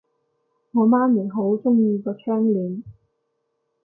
我媽咪好鍾意個窗簾